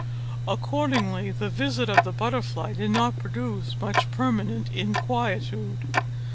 Accordingly, the visit of the butterfly did not produce much permanent inquietude.